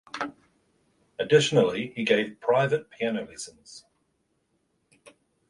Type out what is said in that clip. Additionally he gave private piano lessons.